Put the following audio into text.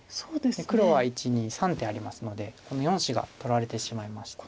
黒は１２３手ありますのでこの４子が取られてしまいまして。